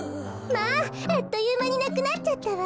まああっというまになくなっちゃったわ。